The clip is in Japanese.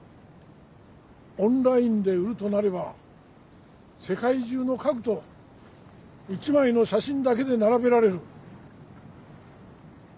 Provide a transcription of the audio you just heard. オンラインで売るとなれば世界中の家具と１枚の写真だけで並べられる。